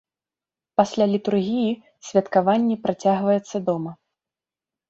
Пасля літургіі святкаванне працягваецца дома.